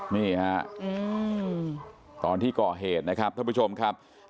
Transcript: นี่ฮะตอนที่ก่อเหตุนะครับท่านผู้ชมครับ